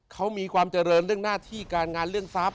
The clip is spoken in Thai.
เขามีความเจริญเรื่องหน้าที่การงานเรื่องทรัพย